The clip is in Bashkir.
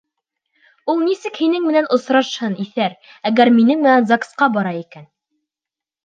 Ул нисек һинең менән осрашһын, иҫәр, әгәр минең менән ЗАГС-ҡа бара икән.